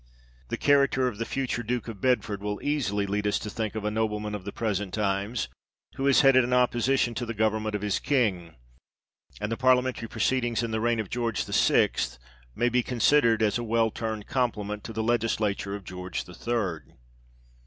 The character of the future Duke of Bedford will easily lead us to think of a nobleman of the present times, who has headed an opposition to the government of his King ; and the parliamentry proceedings in the reign of George THE AUTHOR'S PREFACE. xxxi the sixth, may be considered as a well turned compli ment to the legislature of George the third.